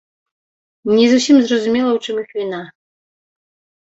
Не зусім зразумела, у чым іх віна.